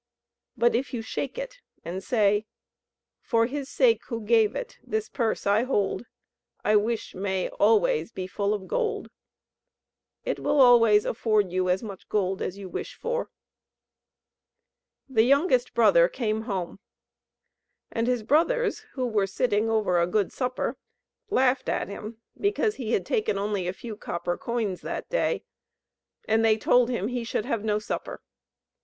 But if you shake it, and say: 'For his sake who gave it, this purse I hold, I wish may always be full of gold;' it will always afford you as much gold as you wish for." [Illustration: THE PURSE THAT WAS EVER FULL] The youngest brother came home, and his brothers, who were sitting over a good supper, laughed at him, because he had taken only a few copper coins that day, and they told him he should have no supper.